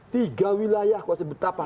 tiga wilayah saya sebutkan apa